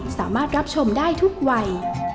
สามารถรับชมได้ทุกวัย